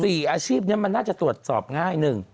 อาชีพนี้มันน่าจะตรวจสอบง่ายหนึ่ง